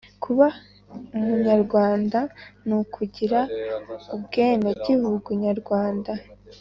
kubaumunyarwanda nukugira Ubwenegihugu Nyarwanda